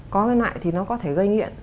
có loại thì nó có thể gây nghiện